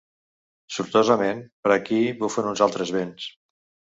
Sortosament, per aquí bufen uns altres vents.